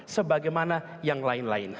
sebagaimana yang lain lain